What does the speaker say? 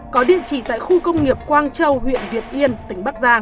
có địa chỉ tại khu công nghiệp quang châu huyện việt yên tỉnh bắc giang